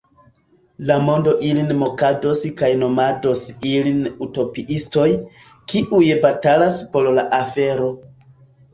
La mondo ilin mokados kaj nomados ilin utopiistoj, kiuj batalas por la afero.